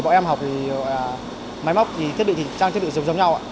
bọn em học máy móc thì thiết bị thì trang thiết bị giống nhau